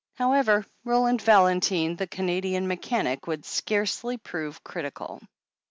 However, Roland Valentine, the Canadian mechanic, would scarcely prove critical.